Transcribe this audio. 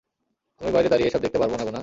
আমি বাইরে দাঁড়িয়ে এসব দেখতে পারব না গুনা।